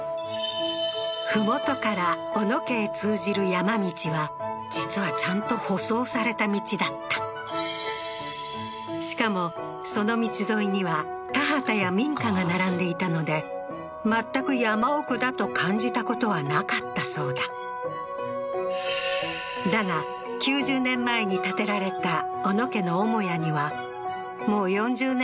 麓から小野家へ通じる山道は実はちゃんと舗装された道だったしかもその道沿いには田畑や民家が並んでいたので全く山奥だと感じたことはなかったそうだだが９０年前に建てられた小野家の母屋にはもう４０年